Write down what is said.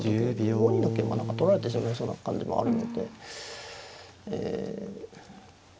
５二の桂馬何か取られてしまいそうな感じもあるのでええ。